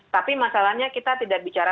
tapi masalahnya kita tidak bicara